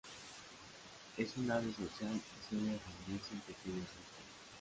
Es un ave social y suele reunirse en pequeños grupos.